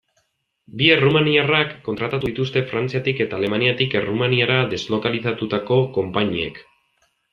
Bi errumaniarrak kontratatu dituzte Frantziatik eta Alemaniatik Errumaniara deslokalizatutako konpainiek.